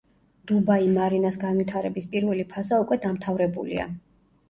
დუბაი მარინას განვითარების პირველი ფაზა უკვე დამთავრებულია.